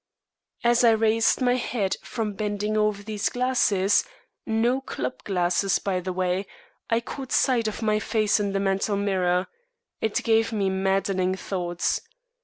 As I raised my head from bending over these glasses not club glasses, by the way I caught sight of my face in the mantel mirror. It gave me maddening thoughts.